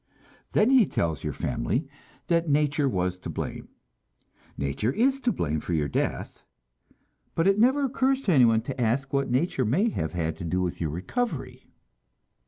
Then he tells your family that nature was to blame. Nature is to blame for your death, but it never occurs to anyone to ask what nature may have had to do with your recovery.